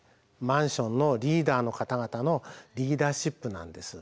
マンションのリーダーの方々のリーダーシップなんです。